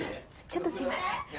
ちょっとすいません。